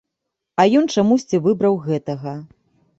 А ён чамусьці выбраў гэтага.